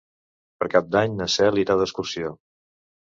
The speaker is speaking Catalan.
Per Cap d'Any na Cel irà d'excursió.